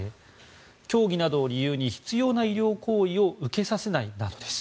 教義などを理由に必要な医療行為を受けさせないなどです。